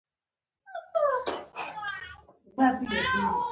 هډوکي، کرپندوکي او بندونه ستاسې سکلېټ سیستم جوړوي.